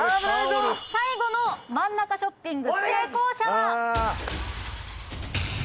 最後の真ん中ショッピング成功者は。